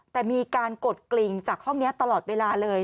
แต่มีการกดกลิ่งจากห้องนี้ตลอดเวลาเลย